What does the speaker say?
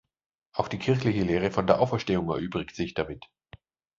Auch die kirchliche Lehre von der Auferstehung erübrigt sich damit.